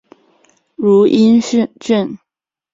汝阴郡。